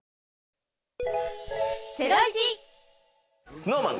ＳｎｏｗＭａｎ